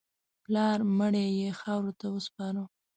پلار مړی یې خاورو ته وسپاره.